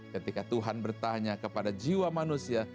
ketika tuhan bertanya kepada jiwa manusia